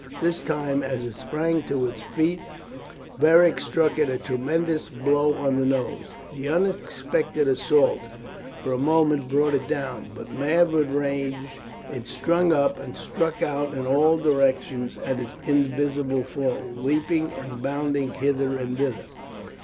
This time, as it sprang to its feet, Beric struck it a tremendous blow on the nose. The unexpected assault for a moment brought it down, but mad with rage it sprang up and struck out in all directions at its invisible foe, leaping and bounding hither and thither.